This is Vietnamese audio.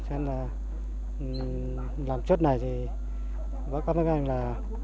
nên là làm chốt này thì bác quan các anh là